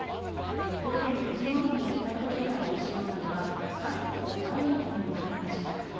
午前９時ごろに自宅を出た大塩さんはバスで狛江駅に向かいました。